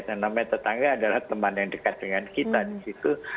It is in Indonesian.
yang namanya tetangga adalah teman yang dekat dengan kita di situ